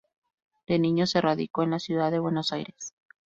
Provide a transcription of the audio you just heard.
De niño se radicó en la Ciudad de Buenos Aires.